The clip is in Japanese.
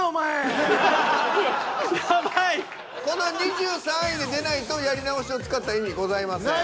この２３位に出ないとやり直しを使った意味ございません。